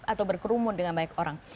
atau berkerumun dengan banyak orang